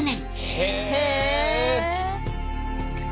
へえ！